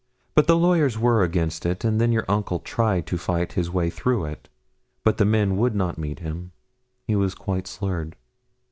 But the lawyers were against it, and then your uncle tried to fight his way through it, but the men would not meet him. He was quite slurred.